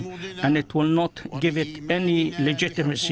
dan tidak akan memberikan legitimasi